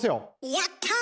やった！